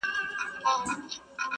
په مجلس نه مړېدل سره خواږه وه.!